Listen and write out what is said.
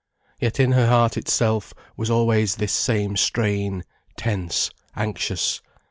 Yet in her heart itself was always this same strain, tense, anxious.